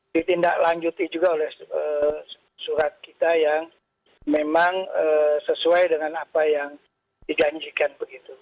ditindaklanjuti juga oleh surat kita yang memang sesuai dengan apa yang dijanjikan begitu